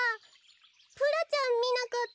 プラちゃんみなかった？